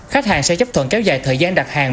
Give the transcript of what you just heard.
khách hàng sẽ chấp thuận kéo dài thời gian đặt hàng